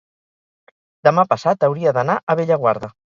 demà passat hauria d'anar a Bellaguarda.